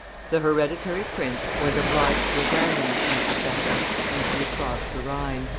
The hereditary prince was obliged to abandon the siege of Wesel and to recross the Rhine.